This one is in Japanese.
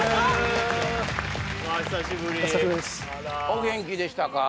お元気でしたか？